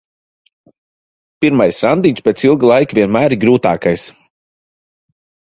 Pirmais randiņš pēc ilga laika vienmēr ir grūtākais.